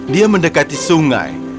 dia mendekati sungai